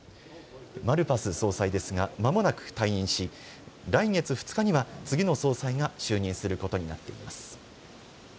マルパス総裁ですがまもなく退任し来月２日には次の総裁が就任することになっています。